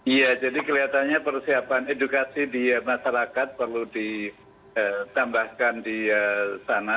iya jadi kelihatannya persiapan edukasi di masyarakat perlu ditambahkan di sana